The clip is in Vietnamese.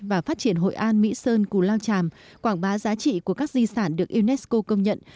và phát triển hội an mỹ sơn cù lao tràm quảng bá giá trị của các di sản được unesco công nhận